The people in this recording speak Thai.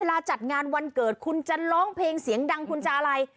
จัดงานวันเกิดคุณจะร้องเพลงเสียงดังคุณจะอะไร